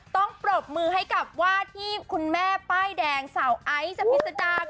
ปรบมือให้กับว่าที่คุณแม่ป้ายแดงสาวไอซ์สพิษดา